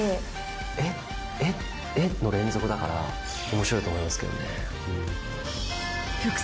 「えっ？えっ？えっ？」の連続だから面白いと思いますけどね。